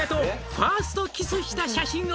「ファーストキスした写真を」